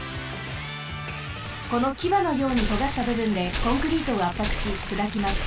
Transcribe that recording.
このキバのようにとがったぶぶんでコンクリートをあっぱくしくだきます。